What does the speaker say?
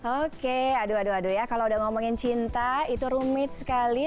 oke aduh aduh ya kalau udah ngomongin cinta itu rumit sekali